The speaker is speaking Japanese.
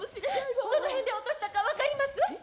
どの辺で落としたか分かります？